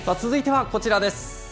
続いてはこちらです。